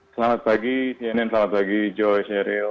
selamat pagi cnn selamat pagi joy sheryl